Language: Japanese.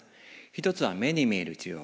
一つは目に見える治療